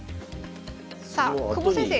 さあ久保先生